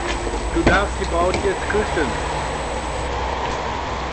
Du darfst die Braut jetzt küssen.